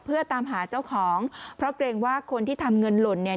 เพื่อตามหาเจ้าของเพราะเกรงว่าคนที่ทำเงินหล่นเนี่ย